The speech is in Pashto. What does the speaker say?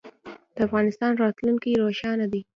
د افغانستان راتلونکی روښانه دی.